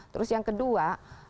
terus yang kedua